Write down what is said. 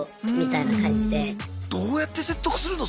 どうやって説得するの？